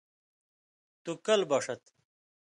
تُوۡ کل بَݜَت ۔